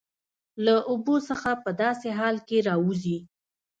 له اوبو څخه په داسې حال کې راوځي